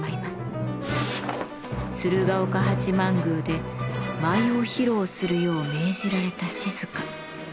鶴岡八幡宮で舞を披露するよう命じられた静。